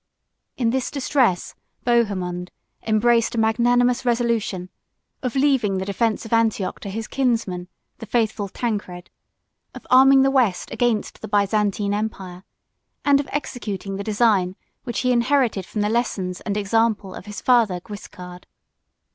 In this distress, Bohemond embraced a magnanimous resolution, of leaving the defence of Antioch to his kinsman, the faithful Tancred; of arming the West against the Byzantine empire; and of executing the design which he inherited from the lessons and example of his father Guiscard.